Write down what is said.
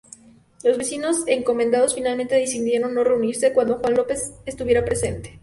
Los vecinos encomenderos finalmente decidieron no reunirse cuando Juan López estuviera presente.